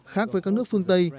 khác với các nước phương tây